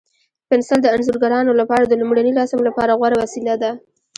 پنسل د انځورګرانو لپاره د لومړني رسم لپاره غوره وسیله ده.